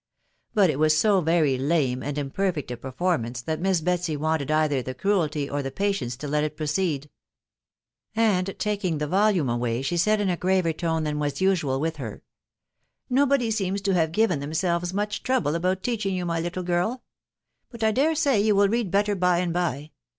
But it was so very lame and imperfect a performance, that Miss Betsy wanted either the cruelty or the patience to let it proceed ; and taking the volume away, she said, in a graver tone than was usual with her, "Nobody seems to have given themselves much trouble about teaching you, my litde girl ;.... but 1 dare say you will read better by avid by